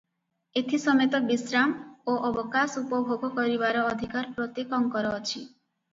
ଏଥି ସମେତ ବିଶ୍ରାମ ଓ ଅବକାଶ ଉପଭୋଗ କରିବାର ଅଧିକାର ପ୍ରତ୍ୟେକଙ୍କର ଅଛି ।